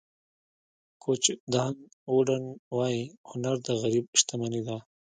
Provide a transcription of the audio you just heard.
کوچ جان ووډن وایي هنر د غریب شتمني ده.